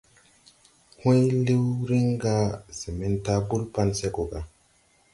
Hùy liw riŋ ga se men taabul pan se go gà.